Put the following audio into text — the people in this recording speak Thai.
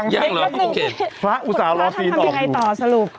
ยังแล้วก็โอเคพระอุตสาวรอพีชออกดูพระทำเป็นยังไงต่อสรุป